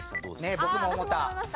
ねえ僕も思った。